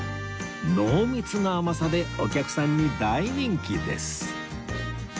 濃密な甘さでお客さんに大人気です